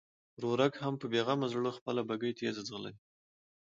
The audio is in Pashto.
ورورک هم په بېغمه زړه خپله بګۍ تېزه ځغلوي.